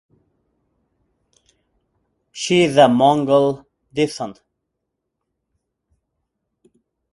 She is of Mongol descent.